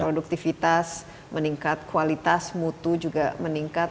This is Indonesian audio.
produktivitas meningkat kualitas mutu juga meningkat